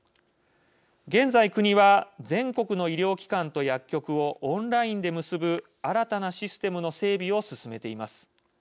現在、国は全国の医療機関と薬局をオンラインで結ぶ新たなシステムの整備を進めています。